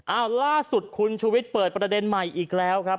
ล่าสุดคุณชูวิทย์เปิดประเด็นใหม่อีกแล้วครับ